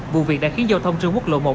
vụ việc đã khiến giao thông trên quốc lộ một